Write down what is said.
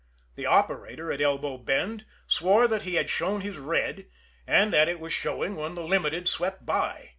The operator at Elbow Bend swore that he had shown his red, and that it was showing when the Limited swept by.